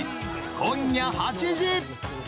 今夜８時。